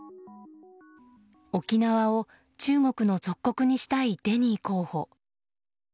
沖縄を中国の属国にしたいデニー候補。